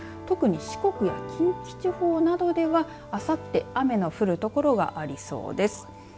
特に四国、近畿地方などではあさって雨の降る所がありそうです。